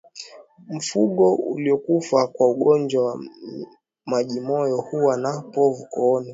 Mfugo uliokufa kwa ugonjwa wa majimoyo huwa na povu kooni